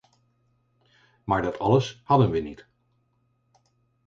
Maar dat alles hadden we niet.